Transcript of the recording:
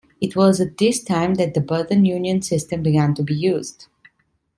It was at this time that the Burton Union system began to be used.